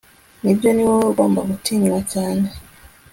Nibyo ni wowe ugomba gutinywa cyane